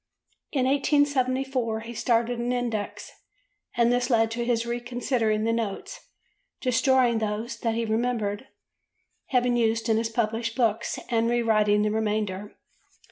In 1874 he started an index, and this led to his reconsidering the notes, destroying those that he remembered having used in his published books and re writing the remainder.